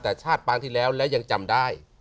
แต่ชาติปางที่แล้วแล้วยังจำได้